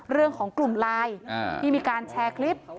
เรื่องของกลุ่มไลน์ที่มีการแชร์คลิป